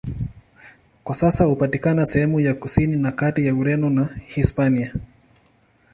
Kwa sasa hupatikana sehemu ya kusini na kati ya Ureno na Hispania.